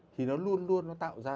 thì nó luôn luôn nó tạo ra